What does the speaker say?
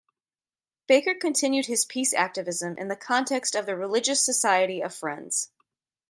Baker continued his peace activism in the context of the Religious Society of Friends.